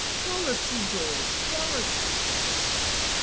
"Policy, George! policy!"